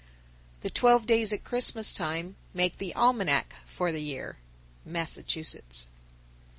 _ 956. The twelve days at Christmas time make the almanac for the year. _Massachusetts.